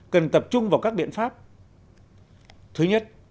cần tập trung vào các nhiệm vụ công trực tuyến